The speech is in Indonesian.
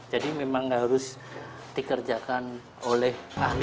jadi memang tidak harus dikerjakan oleh